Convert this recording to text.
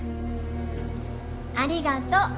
ありがとう。